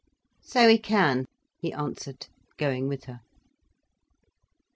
"So we can," he answered, going with her.